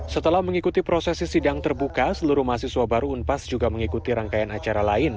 setelah mengikuti prosesi sidang terbuka seluruh mahasiswa baru unpas juga mengikuti rangkaian acara lain